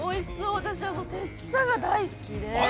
私、てっさが大好きで。